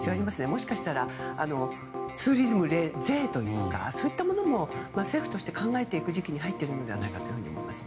もしかしたらツーリズム税というかそういったものも政府として考えていく時期に入っているんじゃないかと思います。